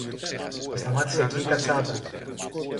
Και σταμάτησε εκεί η κατσάδα